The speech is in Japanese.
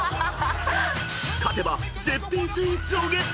［勝てば絶品スイーツをゲット］